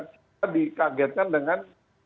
kita dikagetkan dengan